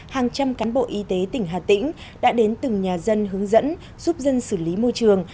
hàng trăm cán bộ y tế tỉnh hà tĩnh đã đến từng nhà dân hướng dẫn giúp dân xử lý môi trường